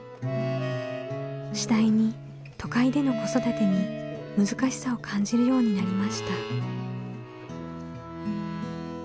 次第に都会での子育てに難しさを感じるようになりました。